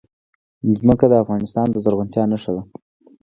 ځمکه د افغانستان د زرغونتیا نښه ده.